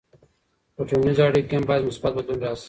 په ټولنیزو اړیکو کي هم باید مثبت بدلون راسي.